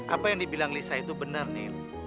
apa yang dibilang lisa itu benar nih